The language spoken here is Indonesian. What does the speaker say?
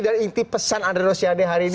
dan inti pesan andra rosiadeh hari ini